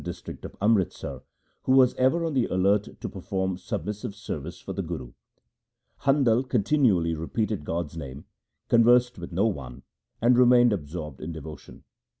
LIFE OF GURU RAM DAS 263 district of Amritsar, who was ever on the alert to perform submissive service for the Guru. Handal continually repeated God's name, conversed with no one, and remained absorbed in devotion.